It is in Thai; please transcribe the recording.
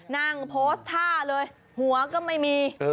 นั่งโพสต์ท่าเลยหัวก็ไม่มี